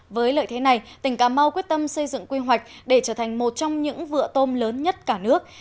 với lợi thế này tỉnh cà mau quyết tâm xây dựng quy hoạch để trở thành một trong những vựa tôm lớn nhất cả nước